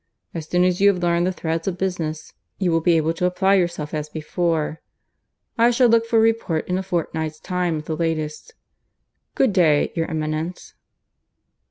As soon as you have learned the threads of business, you will be able to apply yourself as before. I shall look for a report in a fortnight's time at the latest. Good day, your Eminence."